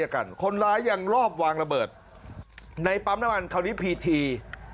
กันคนร้ายยังรอบวางระเบิดในปั๊มน้ำมันคราวนี้พีที